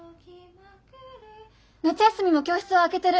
・夏休みも教室は開けてる。